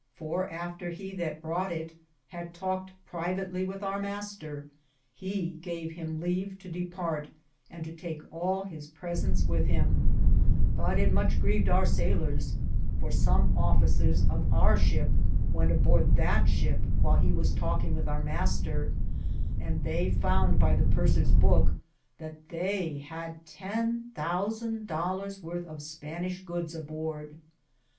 for after he that broughte it had talked privetly with our mayster, he gave him leve to Departe, and to take all his presente with him ; but it muche greved our sayles (sailors), for som offesers of our shipp wente aborde that shipp whyles he was talkinge with our mayster, and they founde by the pursseres bouke that theye had ten thousand DoUeres worthe of Spaynishe goodes a borde.